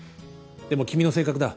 でも君の性格だ。